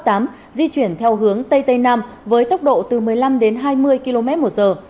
tốc độ từ một mươi năm đến hai mươi km một giờ